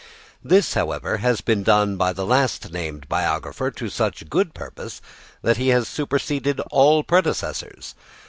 This, however, has been done by the last named biographer to such good purpose that he has superseded all predecessors.